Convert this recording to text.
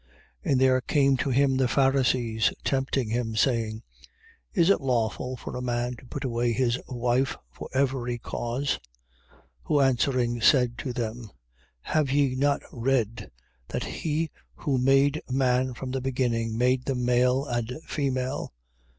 And there came to him the Pharisees tempting him, saying: Is it lawful for a man to put away his wife for every cause? 19:4. Who answering, said to them: Have ye not read, that he who made man from the beginning, made them male and female?